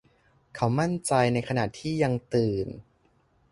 เขามั่นใจในขณะที่ยังตื่น